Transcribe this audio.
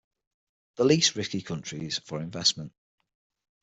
The least-risky countries for investment.